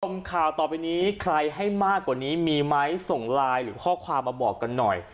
ข่าวต่อไปนี้ใครให้มากกว่านี้มีไหมส่งไลน์หรือข้อความมาบอกกันหน่อย